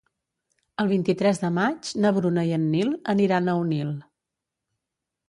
El vint-i-tres de maig na Bruna i en Nil aniran a Onil.